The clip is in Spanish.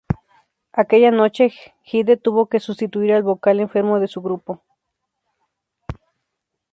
Aquella noche Hyde tuvo que sustituir al vocal enfermo de su grupo.